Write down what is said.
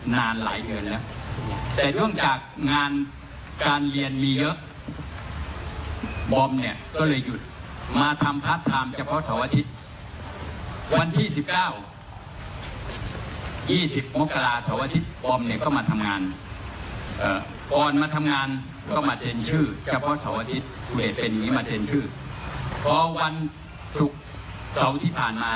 นายสันิภาพอ้างว่าไม่เป็นไปตามข้อเท็จจริงครับ